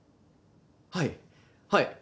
はいはい！